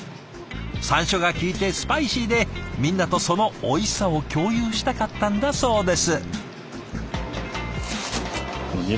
さんしょが効いてスパイシーでみんなとそのおいしさを共有したかったんだそうです。